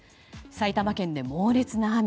埼玉県で猛烈な雨。